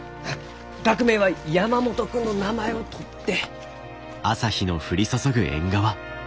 学名は山元君の名前をとって。